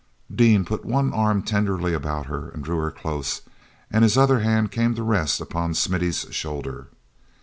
Dean put one arm tenderly about her and drew her close and his other hand came to rest upon Smithy's shoulder.